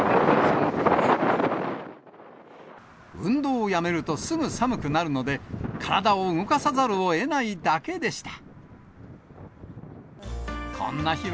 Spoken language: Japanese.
運動をやめるとすぐ寒くなるので、体を動かさざるをえないだけでした。